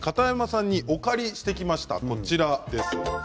今回、片山さんにお借りしてきました。